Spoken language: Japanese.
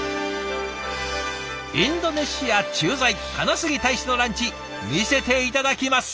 インドネシア駐在金杉大使のランチ見せて頂きます。